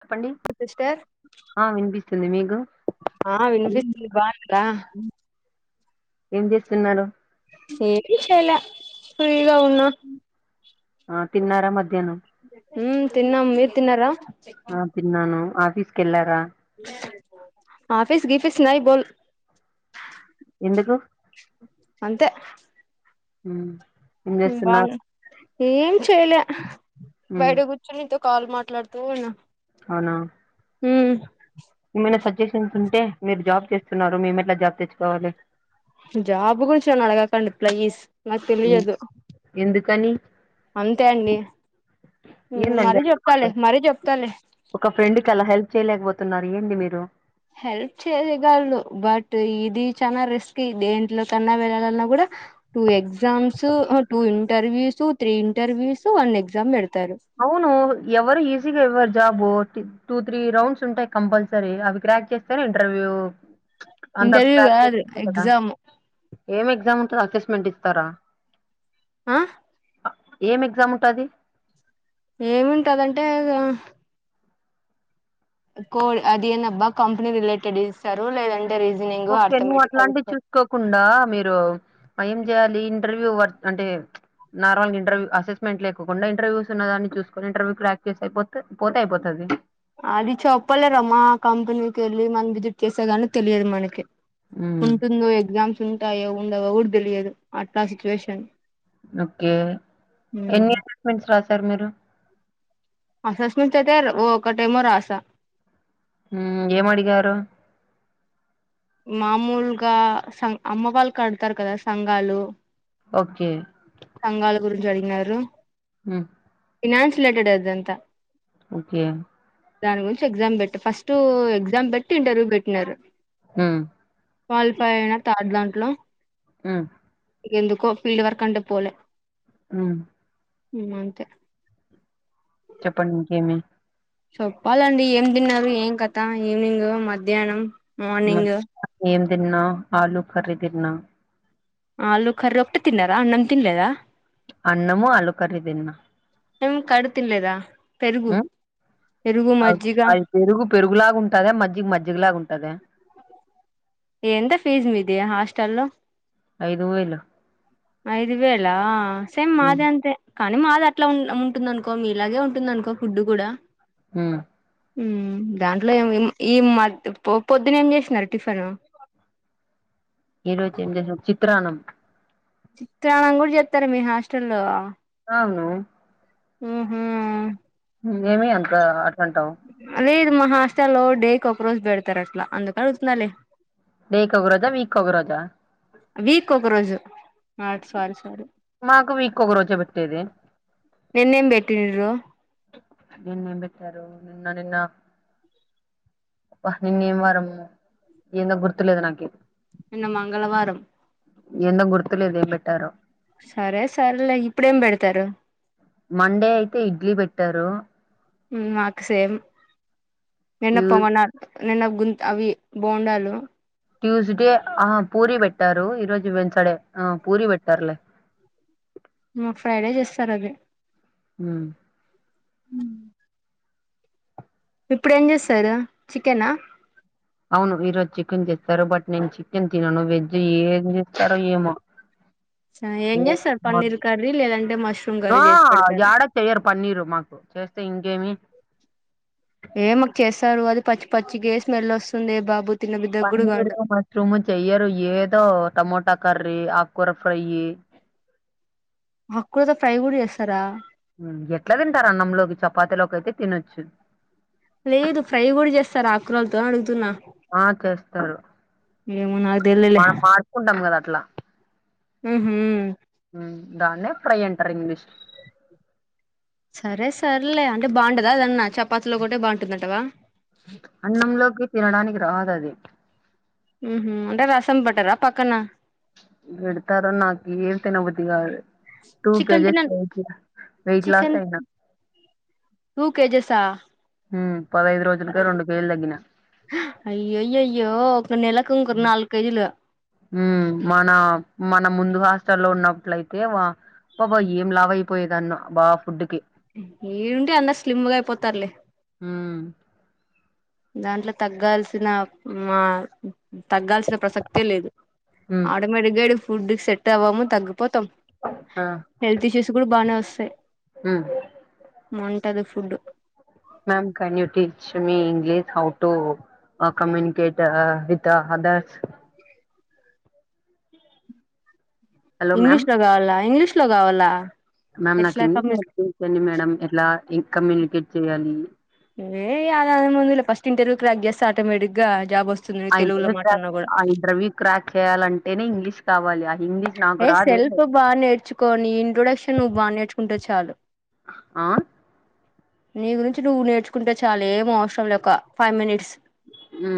చెప్పండి సిస్టర్ ఆ వినిపి ఉంది మీకు ఆ వినిపిస్తోంది బాన్నారా ఏం చేస్తున్నారు ఏటిచెయలా అ కావున్నా ఆ తిన్నారా మ ఉమ్ తిన్నం మీరు తిన్నార ఆఫీస్ కెళ్లారా ఆఫీస్ గిఫిస్ నై బోల్ ఎందుకు అంతే హ బాగును ఏం చేయలే ఉమ్, బయట కూర్చునితో కాల్ మాట్లాడుతూన్న అవునా హ ఏమైనా సజెషన్స్ ఉంటే మీరు జాబ్ చేస్తున్నారు మేము ఎట్లా జాబ్ తెచ్చుకోవాలి జాబ్ గురించి నన్ను అడగకండి ప్లీస్ నాకు తెలియదు కానీ అంతే అండి మ్ ఏందండి మరీ చెప్తాలి అట్లా? మరీ చెప్తాలి తున్నారు ఏంది మీరు హెల్ప్ చేయగలను, బట్ ఇది చాల రిస్కీ దేంట్లో కన్నా వెళ్ళాలన్నా కూడా టూ ఎగ్జామ్స్, అహ్ two interviews three interviews one exam పెడతు అవును ఎవరు ఈజీగా ఎవరు జాబు టూ త్రీ రౌండ్స్ ఉంటాయి కంపల్సరీ అవి క్రాక్ చేస్తేనే ఇంటర్వ్యూ అంత ఇంటర్వ్యూ ప్రాక్టీస్ కాదు తుంది కదా ఎగ్జామ్ తో అసెస్మెంట్ ఇస్తారా ఆ ఏం ఎగ్జామ్ ఉంటాది ఏమింటదంటే గ కోల్ అదేన అబ్బా కంపెనీ రిలేటెడ్ ఇస్తారు లేదం ఓకే నువ్వు అట్లాంటివి చూసుకోకుండా మీరు ఏం చేయాలి, ఇంటర్వ్యూ వర్క్ అంటే ప్చ్ నార్మల్ గా ఇంటర్వ్యూ అసెస్మెంట్ లేకుండా ఇంటర్వ్యూస్ ఉన్న దాన్ని చూసుకొని ఇంటర్వ్యూ క్రాక్ చేసి పోతే అయిపోతాది. అది చెప్పలేరమ్మా కంపెనీకి వెళ్ళి మనం విజిట్ చేసేదాని తెలియదు మనకి మ్మ్ ఉంటుంది ఎగజామ్స్ ఉంటాయో ఉండవు కూడా తెలియదు అట్లా సిచ్యువేషన్ ఓక్కే తరు మీరు అసెస్మెంట్స్ చయితే ఓకటేమో రాసా హు ఏమడిగారు మామూలుగా సం అమ్మ వాళ్ళు కడతారు కదా సంఘాలు ఓకే సంఘాల గురించి అడినారు హు ఫినాన్స్ రిలేటెడ్ అదంతా ఓకే దాని గురించి ఎగ్జామ్ పెట్ట ఫస్ట్ ఎగ్జామ్ పెట్టి ఇంటర్వ్యూ పెట్టినారు హ క్వాలిఫై అయినా థర్డ్ దాంట్లో ఆ ఎందుకో ఫీల్డ్ వర్క్ అంటే పోలే అ ఉమ్ అంతే చెప్పండి ఇంకేమి చెప్పాలండి ఏం తిన్నారు ఏం కథ ఈవినింగ్ మధ్యాహ్నం హ్మ్. మార్నింగ్ ఏం తిన్నా ఆలూఖర్రీదిన్నా ఆళ్లు ఖర్రీ ఒక్కటే తిన్నారా అన్నం తినలేదా అన్నము ఆలుకర్రీ తిన్నా నిం కడుతినలేదా అ అది పెరుగు పెరుగులాగా ఉంటద మజ్జిగ మజ్జిగ లాగా ఉంటద ఎంత ఫీజు మీది హాస్టల్లో ఐదువేలో ఐదు వేలా సేమ్ ఉమ్, మాది అంతే కాని మాదట్ల ఉన్ ఉంటుందనుకో మీలాగే ఉంటుందనుకో ఫుడ్డు కూడా హ్మ్మ్ మ్మ్ దాంట్లో ఏమో ఈమ్ ఈయమ్మాద్ పో పొద్దునేం జేస్నారు టిఫిను ఈ రోజు ఏం చేసాం చిత్రాన్నం చిత్రానం గుడ జేత్తర మీ హాస్టల్ల్లో అవును మ్మ్ హు మ్మ్ ఏమి అంతార్ లేదు మా హాస్టల్లో డే కొక్రోజ్ బెడ్తారట్లా అందుకడుతున్నాలే డే కొగ రోజా వీక్ కొగరోజా అట్ స్వారీ స్వారీ రోజే పెట్టేది నిన్నేం పెట్టారు నిన్న నిన్న నిన్నేం వారము ఏందో గుర్తులేదు నాకి నిన్న మంగళవారం ఎందో గుర్తులేదు ఏం పెట్టారో సరే సర్లే ఇప్పుడేం పెడతారు మండే అయితే ఇడ్లీ పెట్టారు మ్మ్ మాకు సేమ్ వెన్న ట్యూ పొంగనాల్ నేనవ్ గుంత అవి బొండాలు ట్యూస్డే ఆ పూరి పెట్టారు ఈరోజు వెన్సడే ఆ పూరి పెట్టార్లే మాక్ ఫ్రైడే చేస్తారది మ్మ్ మ్మ్ ఇప్పుడేం చేస్తారు చికెనా అవును ఈరోజు చికెన్ జెస్తారు బట్ నేను చికెన్ తినను వెజ్ ఏం జేస్తారో ఏమో ఏం చేస్తారు పన్నీర్ కర్రీ లేదంటే మష్రూమ్ ఆ కర్రీ చేసి పెడతారు యాడ చెయ్యరు పన్నీరు మాకు చేస్ తె ఇంగేమి ఏమక్ చేస్తారు అది పచ్చి పచ్చిగే స్మెల్ వస్తుందే బాబు తినబుద్ధి కూడా కాదు పన్నీరు మష్రూము చెయ్యరు ఏదో టమోటా కర్ రీ ఆక్కూర ఫ్రై ఆక్కూరతో ఫ్రై గుడ జేస్తరా మ్మ్ ఎట్ల తింటారు అన్నంలోకి చపాతిలోకైతే తినొచ్చు లేదు ఫ్రై గుడ చేస్తారా ఆక్కురల్తో అనడుగుతున్నా ఆ చేస్తరు ఏమో నాకు తెలీలే మనం మాడ్చుకుంటాం కదా అట్లా ఉహు మ్మ్ దాన్నే ఫ్రై అంటరు ఇంగ్లీష్ సరే సర్లే అంటే బాండదా అదన్నా చపాతిలొకటే బాంటుందంటవా అన్నం లోకి తినడానికి రాదది మ్మ్ హు అంటే రసం బట్టరా పక్కన గడ్తారో నాకు ఏం తినబుద్ధి కాదు చికెన్ తినను వెయిట్ లాస్ చికెన్ అయినా. టూ కేజేసా హ్మ్. రోజులకే కేజీలు తగ్గినా. అయ్యోయ అయ్యో ఒక నెలాకుకరు నాలు క కేజీలు ఉమ్ మన మన ముందు హాస్టల్లో ఉన్నప్పులయితే బబ ఏం లావయిపోయేదన్న బాబ ఫుడ్ క ఏడుంటే అందరు స్లిమ్గా అయిపోతారులే హ దాంట్లో తగ్గాల్సిన మా తగ్గాల్సిన ప్రసక్తే లేదు ఉమ్ ఆటోమేటిక్గా ఫుడ్కి సెట్ అవ్వము తగ్గ పోతాం ఆ హెల్త్ ఇష్యూస్ కూడా బాగా వస్తాయి ఉమ్ మంటది food ma'am can you teach me English how to communicate with others hello ma'am English లో కావాల ఇంగ్లీష్ ట్ లో కావాల మ్యామ్ నాకు ఇంగ్లీష్యండి మేడం ఎట్లా కమ్యూనికేట్ చెయాలి ఏవదందు ఫస్ట్ ఇంటర్వ్యూ క్రా గెస్ ఆటోమేటిక్గా జాబ్ వస్త ఆ ఇంటర్వ్యూ కక్ ఆ ఇంటర్వ్యూ క్రాక్ చేయాలంటేనే ఇంగ్లీష్ కావాలి ఇంగ్లీష్ నాకు ఏ రాదే సెల్ఫ్ బాగా నేర్చుకోని ఇంట్రొడక్షన్ నువ్వు బాగా నేర్చుకుంట చాలు ఆ నీ గురించి నువ్ నేర్చుకుంటే చాల ఏం అవసరం లే ఒక ఫైవ్ మినిట్స్ మ్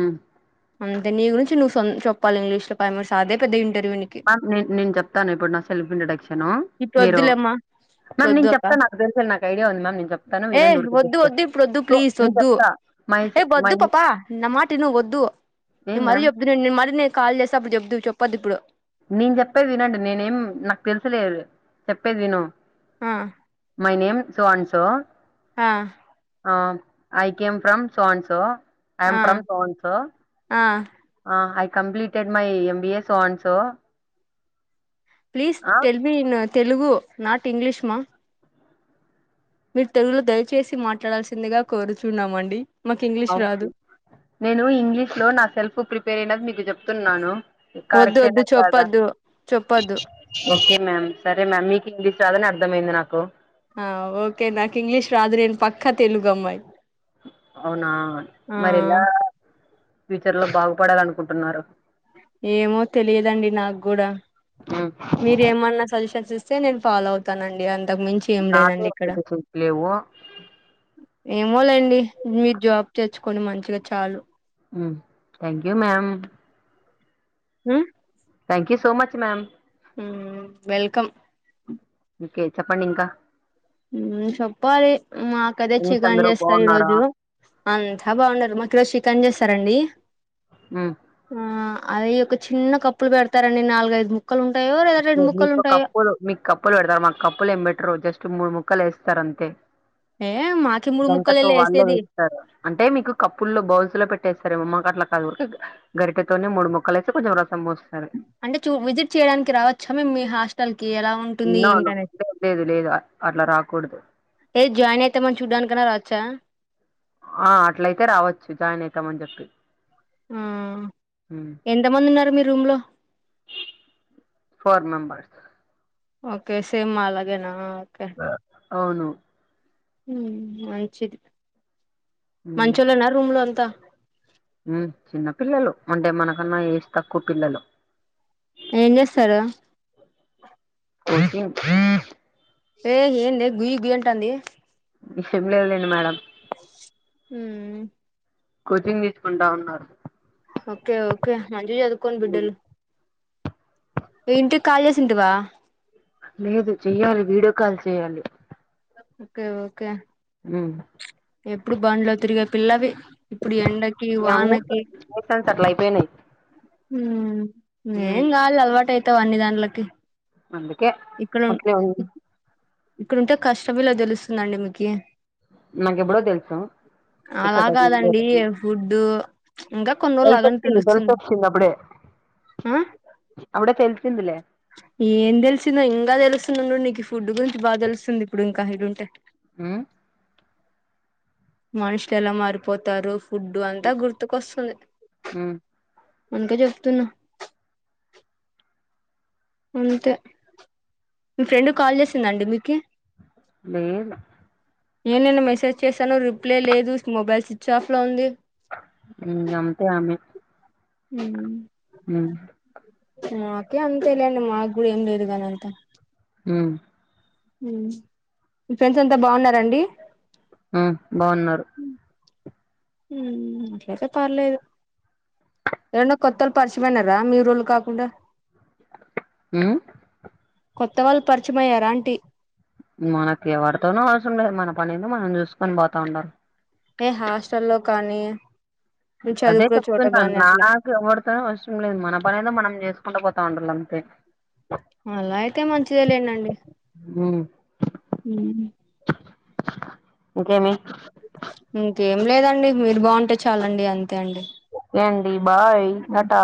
అంతే నీ గురించి నువ్వు చెప్పాలి ఇంగ్లీష్ లో కాైమర్స్ అదే పెద్ద ఇంటి రుమినికి మ్యామ్ నేను నేను చెప్తాను ఇప్పుడు నా సెల్ఫ్ ఇంట్రొడక్షను ఇప్పుడు మీరు వద్దులేమ్మా ఇప్పుడు మ్యామ్ వద్దు నేను అక్క చెప్తాను నాకు తెలిస నాకు ఐడియా ఉంది మ్యామ్ నేను చెప్తాను ఏ వనం వద్దు ఊరికిస్ వద్దు ఇప్పుడు వద్దు సో ప్లీజ్ నేను వద్దు చెప్తా మై ఏ మై వద్దు పాపా నా మాట ఏ మ్యామ్ మరి నేను కాల్ చేసే అప్పుడు చెబదు చెప్పద్దు ఇప్పుడు నేను చెప్పేది వినండి నేనేం నాకు తెలిసలేదు చెప్పేది విను ఆ మైనేం స అన్ so uh I came from so and so I'm uh from so and so uh completed my MBS so and so please tell న్ తెలుగు నాట్ ఇంగ్లీష్మా మీరు తెలులో దయచేసి మాట్లాడాల్సిందిగా కోరుచున్నామండి మాకు ఇంగ్లీష్ రాదు అవుకే నేను ఇంగ్లీష్ లో నా సెల్ఫ్ ప్రిపేర్ మీ చెప్తున్నాను వద్దు వద్దు కరెక్టేనా కాదా చెప్పొద్దు చెప్పొద్దు మ్యామ్ సరే మ్యామ్ మీకు ఇంగ్లీష్ రాదని అర్థమైంది నాకు ఆ ఓకే నాకు ఇంగ్లీష్ రాదు నేను పక్క తెలుగు అమ్మాయి అవునా మరి ఆ ఎలా ఫ్యూచర్ లో బాగు పడాలనుకుంటున్నారు ఏమో తెలియదండి నాకు గూడ మీరేమన్నా సజెషన్స్ ఇస్ స్తే నేను ఫాలో అవుతానండి అన్ నాకు పెద్ద సూక్ లేవు ఏమోలేండి మీరు జాబ్ తెచ్చుకొని మంచిగా చాలు హు thank you ma'am hmm thank you so much ma'am hmm welcome okay చెప్పండి ఇంకా హ్మ్ చెప్పాలి మాకదే ఫ్రెండ్స్ చికన్ అందరూ చేస్తారు ఈ బాగున్నారా రోజు అంతా బాగున్నారూ మాకు ఈ రోజు చి పని చేస్తారండి ఆ అవి ఒక చిన్న కప్పులు పెడతారండి నాలుగైదు ము ఏ మీకు కప్పులు మీకు కప్పులు పెడతారు మా కప్పు లు ఏం బెట్టారు జస్ట్ మూడు ముక్ ముక్కలేస్తారు అంతే ఏ మాకి మూడు గరిటతో ముక్కలేలే వాళ్లే వేసేది వేస్తారు అంటే మీకు కప్పుల్లో బౌల్స్ లో పెట్ వేస్తారుఏమో మాకు అట్లా కాదు గరిటితోనే మూడు ముక్కలు వేస్తే కొంచం రసం పోస్తారు అంటే చూ విజిట్ చేయడానికి రావచ్ చా మేం మీ హాస్టల్ కి ఎలా ఉంటుంది నో నో ఏంటనేది లేదు లేదు లేదు అట్లా రాకూడదు ఏది జాయిన్ అయితే మరి చూడ్డానికన్నా రా చ్చ ఆ అట్లైతే రావచ్చు జాయిన్ అయితామని చెప్పి ఊ ఎంత మంది ఉన్నారు మీ రూం లో ఫోర్ మెంబర్స్ ఓకే సేమ్ మాలాగే నా అవును ఊ మంచిది మంచోళ్ళేనా రూం లో త ఊ చిన్న పిల్లలు అంటే మనకన్నా ఏజ్ తక్కువ పిల్లలు ఏం చేస్తారు [unintelligible] ఏ ఎందే గుయ గుంట అంది ఈ సేమ్ లేద్లేండి మేడమ్ హ కోచింగ్ తీసుకుంటా ఉన్నారు ఓకే ఓకే మంచిగా చదుకొని ఉమ్, బిడ్డలు ఇంటికి కాల్ చేసిందివా లేదు చెయ్యాలి వీడియో కాల్ చెయ్యాలి ఓకే ఓకే ఉ ఎప్పుడు బండ్లో తిరిగ పిల్లవి ఇప్పుడు ఎండకి వానకి జనరేషన్స్ అట్లా అయిపోయినాయి ఉ ఏం మ్మ్ కదిలే అలవాటై మత్త అన్ని దాంట్లోకి అందుకే అట్లే ఇక్కడుంటే కష్టం విలువ తెలుస్తుందండి మీకి నాకెప్పుడో తెలుసు ఇక్కడ అలా కాదండి [unintelligible] ఫుడ్ ఇంకా కొన్ని రోజులు ఆగండి తెలిసొచ్చింది తెలుస్తుంది తెలిసొచ్చింది అప్పుడే ఆ అప్పడికే చిందులే ఏం తెలిసిందో ఇంకా తెలుస్తుది ఉండుండూ నీకు ఫుడ్ గురించి బాగా తెలుస్తుంది ఇప్పుడు ఇంకా ఇడుంటే మ్మ్ మనుషులు ఎలా మారిపోతారు ఫుడ్డు అంతా గుర్తుకొస్తుంది మ్మ్ అంత చెప్తున్నా అంతే మీ ఫ్రెండ్ కాల్ చేసిందండి మీకి లేదు ఏ నేను మెసేజ్ చేశాను రిప్లై లేదు మొబైల్ స్విచ్ ఆఫ్ లో ఉంది గంతే అమ్మే మ్మ్ హ మాకే అంతేలాండి మాకు కూడా ఏం లేదు అంత మ్మ్ మీ ఫ్రెండ్స్ అంతా బాగున్నారండి ఆ బాగున్నారు అట్లయితే పర్లేదు ఎవరైనా కొత్త వాళ్ళ పరిచయమైనార మీ ఊరోలు కాకుండా మ్మ్ కొత్త వాళ్ళు పరిచయమ అయ్యారు అంటి మనకి ఎవడితోనో అవసరంలేదు మన పని ఏందో మనం చూసుకొని పోతా ఉండాలి ఏ హాస్టల్లో కానీ మీరు అదే చదువుకునే చోట చెప్తున్నా గాని అట్లా నాకు ఎవరితోనూ అవసరం లేదు మన పనిఏందో మనం చేసుకుంటా పోం తాండలంతే అలా అయితే మంచిదే లేండండి హ్మ్ హ్మ్ ఇంకేమి ఇంకేం లేదండి మీరు బాగుంటే చాలండి అం ఒక అండీ బాయ్ ఆ టాటా